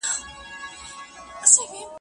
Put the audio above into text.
د پوهنتون اداري شورا خپله غونډه وکړه.